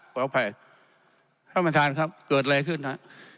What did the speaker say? ขออภัยท่านประธานครับเกิดอะไรขึ้นฮะ